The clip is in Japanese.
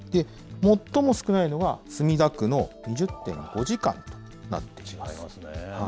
最も少ないのが、墨田区の２０．５時間となっています。